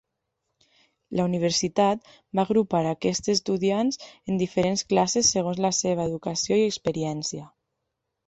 La universitat va agrupar aquests estudiants en diferents classes segons la seva educació i experiència.